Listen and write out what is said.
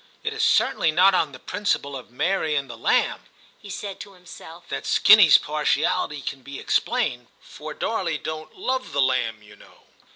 ' It is cer tainly not on the principle of Mary and the lamb,' he said to himself, 'that Skinny 's partiality can be explained, for Darley don't 'Move the lamb, you know."